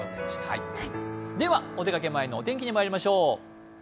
ではお出かけ前のお天気にまいりましょう。